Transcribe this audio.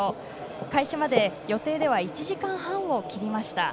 開始まで予定では１時間半を切りました。